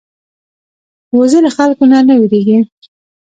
وزې له خلکو نه نه وېرېږي